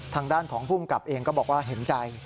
ทางด้านของภูมิกับเองก็บอกว่าเห็นใจ